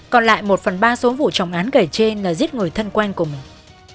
còn lại một phần ba số vụ trọng án kể trên là giết người thân quen của mình